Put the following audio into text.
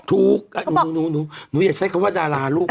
ถูกหนูอย่าใช้คำว่าดาราลูก